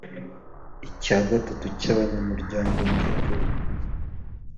icya gatatu cy abanyamuryango nyakuri